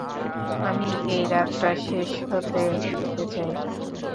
আমি এই রাতটা শেষ হতে দিতে চাই না।